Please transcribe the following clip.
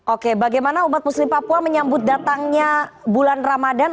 oke bagaimana umat muslim papua menyambut datangnya bulan ramadan